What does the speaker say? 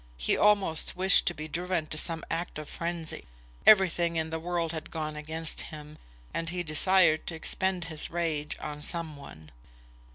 He almost wished to be driven to some act of frenzy. Everything in the world had gone against him, and he desired to expend his rage on some one.